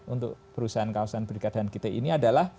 untuk perusahaan perusahaan berikat dan kit ini